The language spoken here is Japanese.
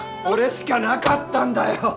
これしかなかったんだよ！